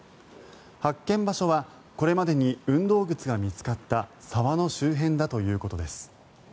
発見場所はこれまでに運動靴が見つかった沢の周辺だということです。